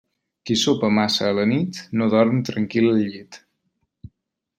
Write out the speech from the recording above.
Qui sopa massa a la nit, no dorm tranquil al llit.